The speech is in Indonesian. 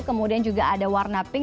kemudian juga ada warna pink